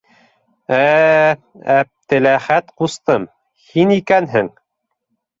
- А-а-ә, Әптеләхәт ҡустым, һин икәнһең?